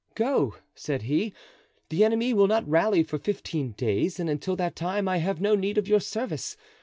'Go,' said he; 'the enemy will not rally for fifteen days and until that time I have no need of your service.